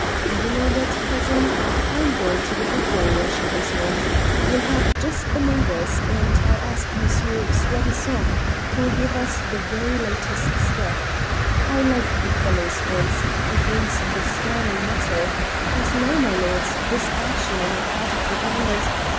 Do you know what, cousin? I am going to give a ball when she comes home. We'll have just the neighbours, and I'll ask M. Soi disant, who'll give us the very latest step. I like the fellow's voice, it rings the sterling metal.... And now, my lords, this action on the part of the Government....